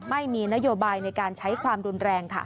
ไม่มีนโยบายในการใช้ความรุนแรงค่ะ